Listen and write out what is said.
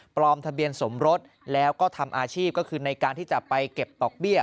ทะเบียนสมรสแล้วก็ทำอาชีพก็คือในการที่จะไปเก็บดอกเบี้ย